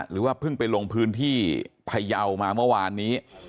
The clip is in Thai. หรือว่าเพิ่งไปลงพื้นที่พยาวมาเมื่อวานนี้